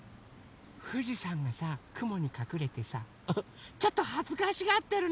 ふじさんがさくもにかくれてさちょっとはずかしがってるね。